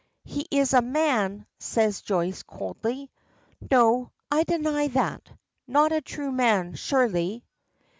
"He is a man," says Joyce, coldly. "No. I deny that. Not a true man, surely."